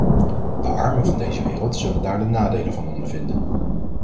De armen van deze wereld zullen daar de nadelen van ondervinden.